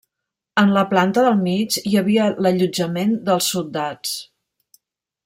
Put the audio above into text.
En la planta del mig hi havia l'allotjament dels soldats.